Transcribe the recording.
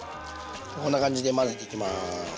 こんな感じで混ぜていきます。